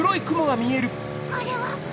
・あれは？